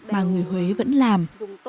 mà người huế vẫn làm